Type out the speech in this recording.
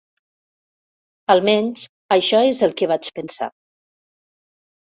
Almenys això és el que vaig pensar.